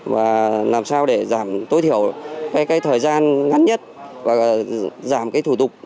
và làm sao để giảm tối thiểu cái thời gian ngắn nhất và giảm cái thủ tục